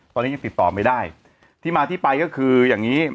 ตอนนี้ยังติดต่อไม่ได้ที่มาที่ไปก็คืออย่างนี้